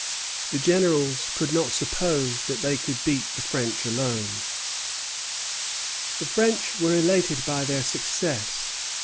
The grenadiers could not suppose that they could beat the French alone." The French were elated by their success.